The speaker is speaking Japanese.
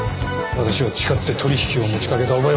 私は誓って取り引きを持ちかけた覚えはない！